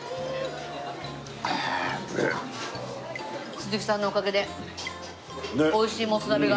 鈴木さんのおかげで美味しいもつ鍋が。